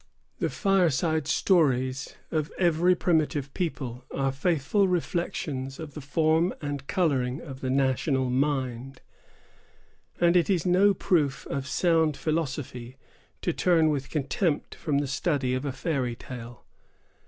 The fireside stories of every primitive people are faithful reflections of the form and coloring of the national mind; and it is no proof of sound philosophy to turn with contempt from the study of a fairy tale.